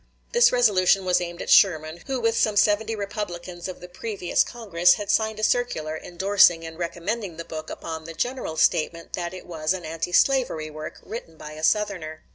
This resolution was aimed at Sherman, who with some seventy Republicans of the previous Congress had signed a circular indorsing and recommending the book upon the general statement that it was an anti slavery work, written by a Southerner.